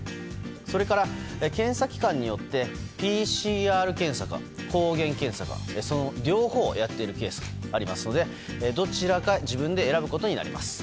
それから検査機関によってＰＣＲ検査か抗原検査か両方をやっているケースもありますのでどちらか自分で選ぶことになります。